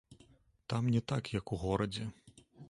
Там не так, як у горадзе.